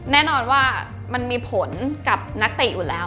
แน่นอนว่ามันมีผลกับนักเตะอยู่แล้ว